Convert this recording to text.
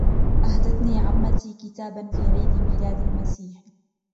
أهدتني عمتي كتابًا في عيد ميلاد المسيح.